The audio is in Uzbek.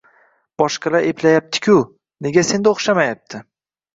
Boshqalar eplayapti-ku, nega senda o‘xshamayapti?